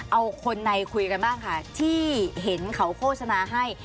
เอาคนในคุยกันบ้างค่ะที่เห็นเขาโฆษณาให้